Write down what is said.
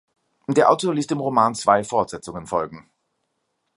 Der Autor ließ dem Roman zwei Fortsetzungen folgen.